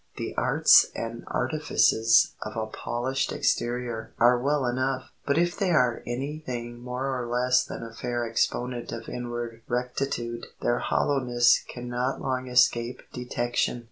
The arts and artifices of a polished exterior are well enough, but if they are any thing more or less than a fair exponent of inward rectitude their hollowness can not long escape detection.